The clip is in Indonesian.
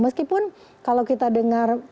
meskipun kalau kita dengar